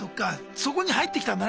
そこに入ってきたんだね？